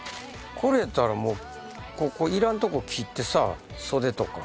これやったらいらんとこ切ってさ袖とか。